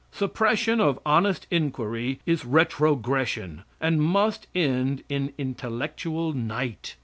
Suppression of honest inquiry is retrogression, and must end in intellectual night.